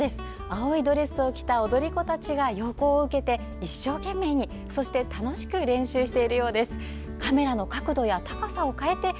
青いドレスを着た踊り子たちが陽光を受けて一生懸命にそして楽しく練習しているようです。